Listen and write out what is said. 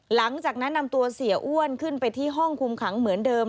หลังจากนั้นนำตัวเสียอ้วนขึ้นไปที่ห้องคุมขังเหมือนเดิม